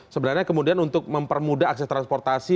sebenarnya kemudian untuk mempermudah akses transportasi